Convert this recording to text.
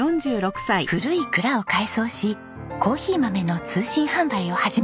古い蔵を改装しコーヒー豆の通信販売を始めました。